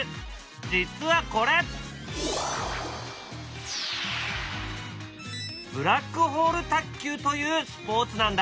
実はこれ「ブラックホール卓球」というスポーツなんだ。